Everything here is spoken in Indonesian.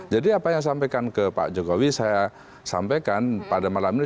jadi apa yang saya sampaikan ke pak jokowi saya sampaikan pada malam ini